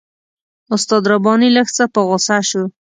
استاد رباني لږ څه په غوسه شو.